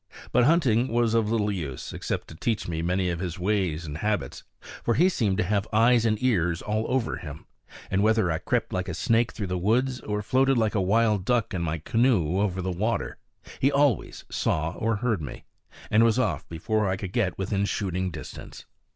But hunting was of little use, except to teach me many of his ways and habits; for he seemed to have eyes and ears all over him; and whether I crept like a snake through the woods, or floated like a wild duck in my canoe over the water, he always saw or heard me, and was off before I could get within shooting distance.